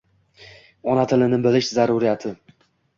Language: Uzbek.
Ona tilini bilish zaruriyati.